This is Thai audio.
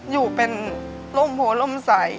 อยู่เป็นร่มหัวร่มใส